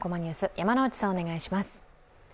山内さん、お願いします。